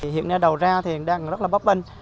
hiện nay đầu ra thì đang rất là bấp bên